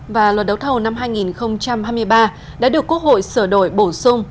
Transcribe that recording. và luật đấu thầu năm hai nghìn hai mươi ba đã được quốc hội sửa đổi bổ sung